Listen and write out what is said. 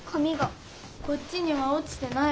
こっちにはおちてないわよ。